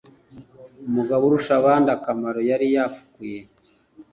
mugaburushabandakamaro yari yafukuye.